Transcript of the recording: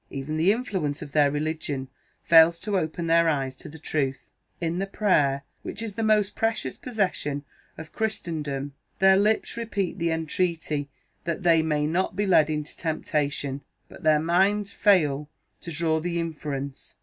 Even the influence of their religion fails to open their eyes to the truth. In the Prayer which is the most precious possession of Christendom, their lips repeat the entreaty that they may not be led into temptation but their minds fail to draw the inference.